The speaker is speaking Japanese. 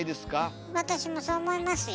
私もそう思いますよ。